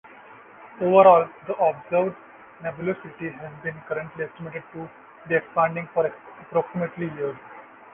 Overall, the observed nebulosity has been currently estimated to be expanding for approximately years.